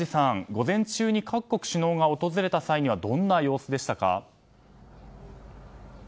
午前中に各国首脳が訪れた際はどんな様子でしたか？